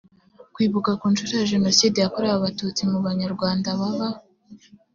kwibuka ku nshuro ya jenoside yakorewe abatutsi mu banyarwanda baba